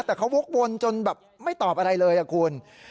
แต่เขาวกวนจนแบบไม่ตอบอะไรเลยคุณ